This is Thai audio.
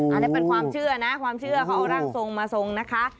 อันนี้เป็นความเชื่อนะความเชื่อเขาเอาร่างทรงมาทรงนะคะ